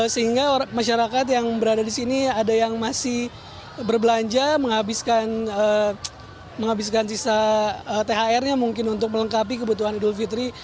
sehingga masyarakat yang berada di sini ada yang masih berbelanja menghabiskan sisa thr nya mungkin untuk melengkapi kebutuhan idul fitri